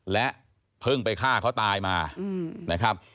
และเพิ่งไปฆ่าเขาตายมานะครับ